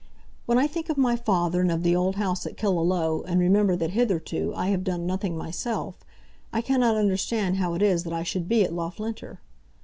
"When I think of my father and of the old house at Killaloe, and remember that hitherto I have done nothing myself, I cannot understand how it is that I should be at Loughlinter."